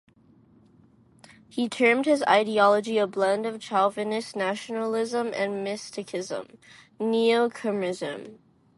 He termed his ideology, a blend of chauvinist nationalism and mysticism, "Neo-Khmerism".